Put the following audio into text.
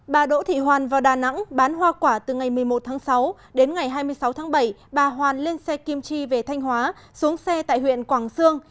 bà đỗ thị hoàn vào đà nẵng bán hoa quả từ ngày một mươi một tháng sáu đến ngày hai mươi sáu tháng bảy bà hoàn lên xe kim chi về thanh hóa xuống xe tại huyện quảng sương